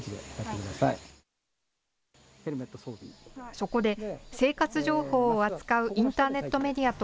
そこで、生活情報を扱うインターネットメディアと